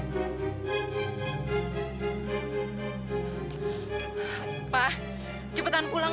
maka dia menyusahkan